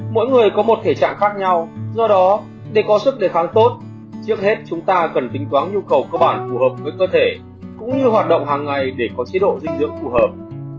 mỗi người có một thể trạng khác nhau do đó để có sức đề kháng tốt trước hết chúng ta cần tính toán nhu cầu cơ bản phù hợp với cơ thể cũng như hoạt động hàng ngày để có chế độ dinh dưỡng phù hợp